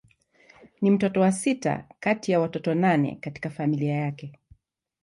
Ni mtoto wa sita kati ya watoto nane katika familia yake.